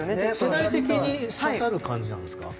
世代的に刺さる感じですか？